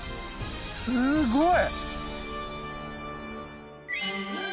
すごい！